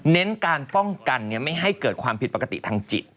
เน้นการป้องกันไม่ให้เกิดความผิดปกติทางจิต